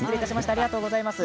ありがとうございます。